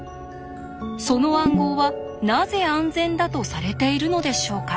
その暗号はなぜ安全だとされているのでしょうか？